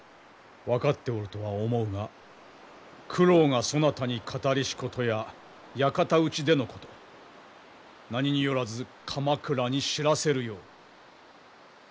分かっておるとは思うが九郎がそなたに語りしことや館内でのこと何によらず鎌倉に知らせるよう。